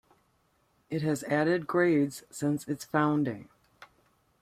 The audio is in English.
It has added grades since its founding.